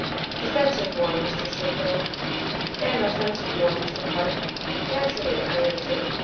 "Defensive war, Mr. Serko." "And offensive war, Mr. Hart." "Naturally," I answer.